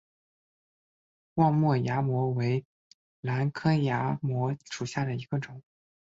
望谟崖摩为楝科崖摩属下的一个种。